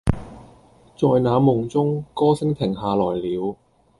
在那夢中，歌聲停下來了